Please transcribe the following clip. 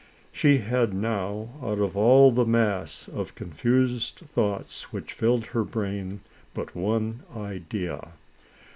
She had now, out of all the mass of confused thoughts which filled her brain, but one idea.